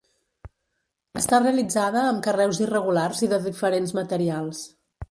Està realitzada amb carreus irregulars i de diferents materials.